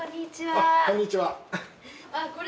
あこんにちは。